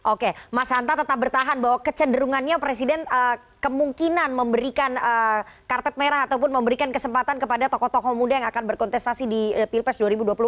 oke mas hanta tetap bertahan bahwa kecenderungannya presiden kemungkinan memberikan karpet merah ataupun memberikan kesempatan kepada tokoh tokoh muda yang akan berkontestasi di pilpres dua ribu dua puluh empat